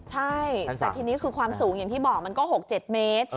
ใช่แต่ทีนี้คือความสูงอย่างที่บอกมันก็๖๗เมตร